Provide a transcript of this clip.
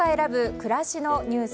暮らしのニュース